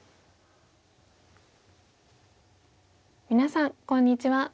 皆さんこんにちは。